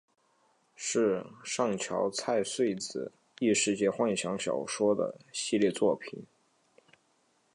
是上桥菜穗子异世界幻想小说的系列作品。